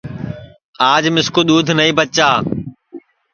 آج مِسکُو دؔودھ نائی بچا